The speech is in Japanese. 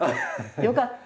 よかった